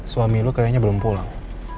suami lu kayaknya belum pulang